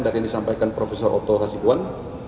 dari yang disampaikan prof otto hasikwan